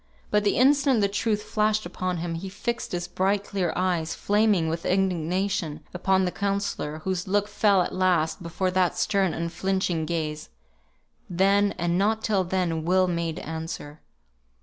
But the instant the truth flashed upon him, he fixed his bright clear eyes, flaming with indignation, upon the counsellor, whose look fell at last before that stern unflinching gaze. Then, and not till then, Will made answer.